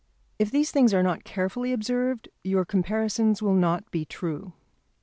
If these things are not carefully observed, your comparisons will not be true.